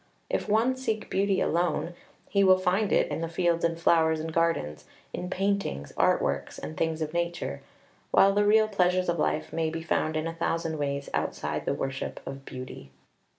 If one seek beauty alone, he will find it in the fields and flowers and gardens, in paintings, art works, and things of nature; while the real pleasures of life may be found in a thousand ways outside of the worship of beauty.